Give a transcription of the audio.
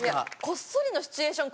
こっそりのシチュエーション